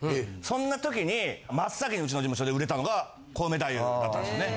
そんなときに真っ先にウチの事務所で売れたのがコウメ太夫だったんですよね。